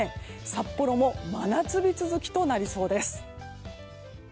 札幌も真夏日続きとなりそうです。